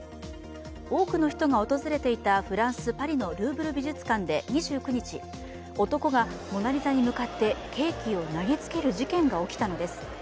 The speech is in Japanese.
多くの人が訪れていたフランス・パリのルーブル美術館で２９日男が「モナ・リザ」に向かってケーキを投げつける事件が起きたのです。